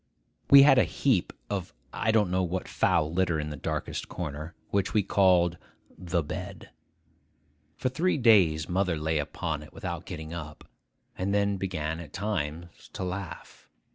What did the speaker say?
We had a heap of I don't know what foul litter in the darkest corner, which we called 'the bed.' For three days mother lay upon it without getting up, and then began at times to laugh.